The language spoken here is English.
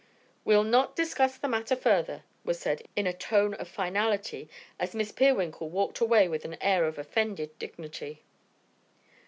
"We'll not discuss the matter further," was said in a tone of finality as Miss Peerwinkle walked away with an air of offended dignity.